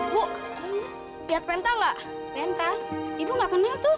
bu lihat pentel nggak pentel itu makanya tuh